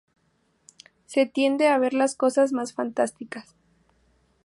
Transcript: Se tiende a ver las cosas más fantásticas.